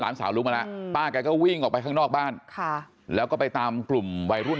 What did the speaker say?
สาวรู้มาแล้วป้าแกก็วิ่งออกไปข้างนอกบ้านค่ะแล้วก็ไปตามกลุ่มวัยรุ่น